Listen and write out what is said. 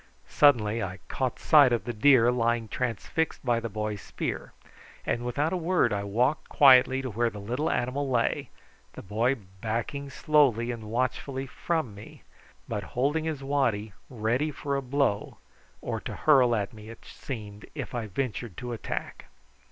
Suddenly I caught sight of the deer lying transfixed by the boy's spear, and without a word I walked quietly to where the little animal lay, the boy backing slowly and watchfully from me, but holding his waddy ready for a blow or to hurl at me, it seemed, if I ventured to attack.